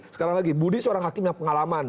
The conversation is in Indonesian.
sekali lagi budi seorang hakim yang pengalaman